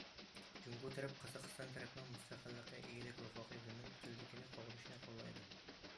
جۇڭگو تەرەپ قازاقىستان تەرەپنىڭ مۇستەقىللىقى، ئىگىلىك ھوقۇقى، زېمىن پۈتۈنلۈكىنى قوغدىشىنى قوللايدۇ.